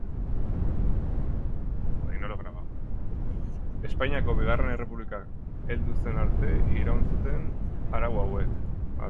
Espainiako Bigarren Errepublika heldu zen arte, iraun zuten arau hauek.